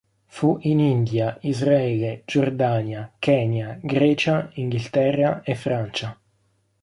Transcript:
Fu in India, Israele, Giordania, Kenya, Grecia, Inghilterra e Francia.